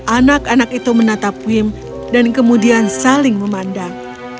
anak anak itu menatap wim dan kemudian saling memandang